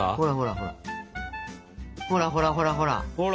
ほらほらほらほら！ほら！